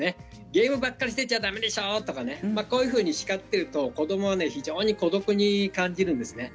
ゲームばかりしてちゃだめでしょとか、しかっていると子どもは非常に孤独に感じるんですね。